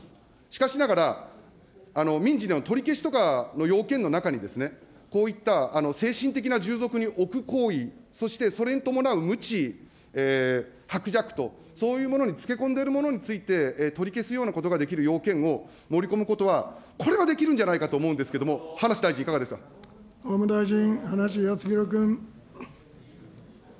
しかしながら、民事で取り消しとかの要件の中にですね、こういった精神的な従属に置く行為、そしてそれに伴う無知薄弱とそういうものにつけ込んでいるものについて、取り消すようなことができる要件を盛り込むことは、これはできるんじゃないかと思うんですけれども、葉梨大臣、いか法務大臣、葉梨康弘君。